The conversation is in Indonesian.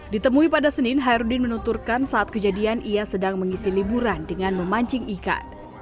ditemui pada senin hairudin menunturkan saat kejadian ia sedang mengisi liburan dengan memancing ikan